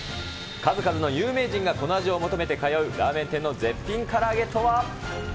数々の有名人がこの味を求めて通うラーメン店の絶品から揚げとは。